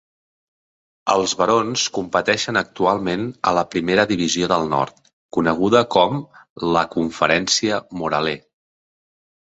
Els barons competeixen actualment a la Primera Divisió del Nord, coneguda com la "Conferència Moralee".